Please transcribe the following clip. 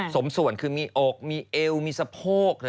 สมส่วนคือมีอกมีเอวมีสะโพก